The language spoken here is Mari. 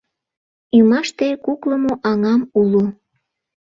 Ӱмаште куклымо аҥам уло.